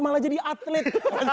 malah jadi atlet